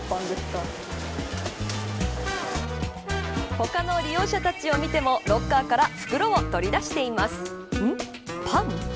他の利用者たちを見てもロッカーから袋を取り出しています。